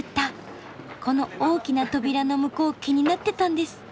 この大きな扉の向こう気になってたんです。